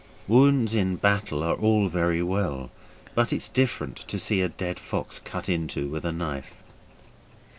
Wounds in battle are all very well, but it's different to see a dead fox cut into with a knife.